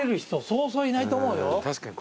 そうそういないと思うよ。